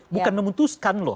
bukan memutuskan loh